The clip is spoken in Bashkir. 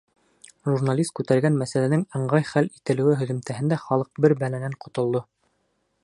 Журналист күтәргән мәсьәләнең ыңғай хәл ителеүе һөҙөмтәһендә халыҡ бер бәләнән ҡотолдо.